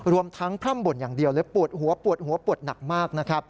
รวมทั้งพร่ำบ่นอย่างเดียวและปวดหัวหนักมาก